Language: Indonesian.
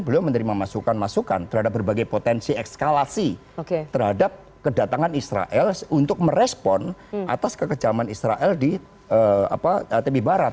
beliau menerima masukan masukan terhadap berbagai potensi ekskalasi terhadap kedatangan israel untuk merespon atas kekejaman israel di tepi barat